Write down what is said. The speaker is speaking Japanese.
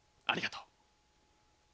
ありがとう。